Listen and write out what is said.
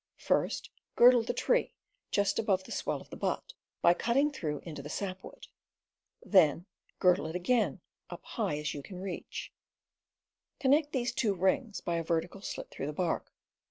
First girdle the tree just above the swell of the butt, by cutting through into the sap wood. Then girdle it again as high up as you can reach. Connect these two rings by a vertical slit through the bark.